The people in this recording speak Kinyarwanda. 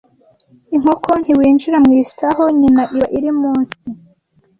inkoko ntiwinjira mu isaho nyina iba iri munsi